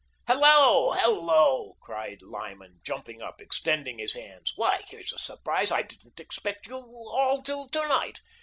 "Hello, hello!" cried Lyman, jumping up, extending his hands, "why, here's a surprise. I didn't expect you all till to night.